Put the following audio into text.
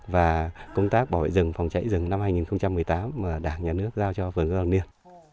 và công tác bảo vệ rừng phòng chảy rừng năm hai nghìn một mươi tám mà đảng nhà nước giao cho vườn gia hoàng niên